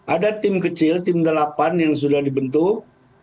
ada tim kecil tim delapan yang sudah dibentuk